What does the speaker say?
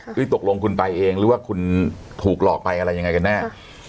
ตกลงคุณไปเองหรือว่าคุณถูกหลอกไปอะไรยังไงกันแน่